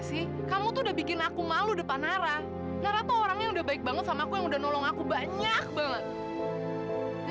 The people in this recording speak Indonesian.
sampai jumpa di video selanjutnya